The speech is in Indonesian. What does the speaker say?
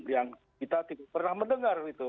yang kita tidak pernah mendengar gitu